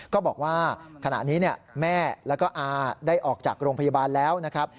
ก็บอกว่าขณะนี้แม่แล้วก็อาได้ออกจากโรงพยาบาลแล้วนะครับ